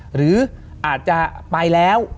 หรืออาจจะไปแล้ว